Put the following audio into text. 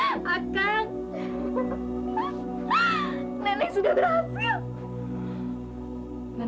nenek sudah berhasil